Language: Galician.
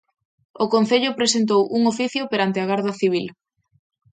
O Concello presentou un oficio perante a Garda Civil.